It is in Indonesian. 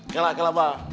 ya lah ya lah mah